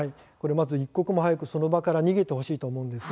一刻も早くその場から逃げてほしいと思います。